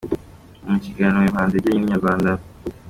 Mu kiganiro uyu muhanzi yagiranye n’Inyarwanda.